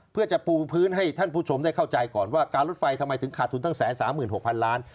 เพื่อจะปูพื้นให้ท่านผู้ชมได้เข้าใจก่อนว่าการรถไฟทำไมถึงขาดทุนทั้ง๑๓๖๐๐๐ล้าน